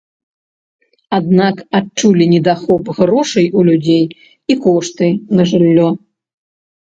Аднак адчулі недахоп грошай у людзей і кошты на жыллё.